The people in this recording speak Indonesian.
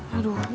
aduh serius deh